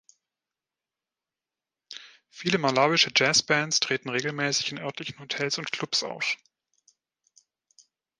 Viele malawische Jazzbands treten regelmäßig in örtlichen Hotels und Clubs auf.